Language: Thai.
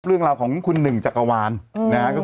เรื่องราวของคุณหนึ่งจักรวาลนะครับ